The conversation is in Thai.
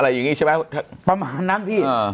อะไรอย่างงี้ใช่ไหมประมาณนั้นพี่อ่า